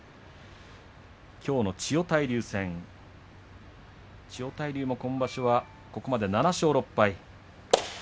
きょうの千代大龍戦千代大龍も今場所はここまで７勝６敗。